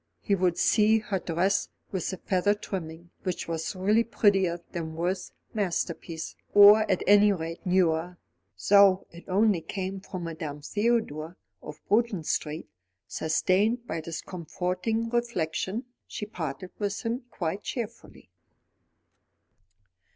He would see her dress with the feather trimming, which was really prettier than Worth's masterpiece, or, at any rate, newer; though it only came from Madame Theodore, of Bruton Street. Sustained by this comforting reflection, she parted with him quite cheerfully.